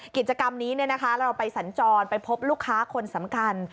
กิจกรรมนี้เราไปสัญจรไปพบลูกค้าคนสำคัญ